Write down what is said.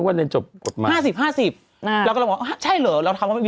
ขอร้องรอครับเรียนจบแล้ว